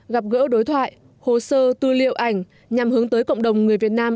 gặp gỡ đối thoại hồ sơ tư liệu ảnh nhằm hướng tới cộng đồng người việt nam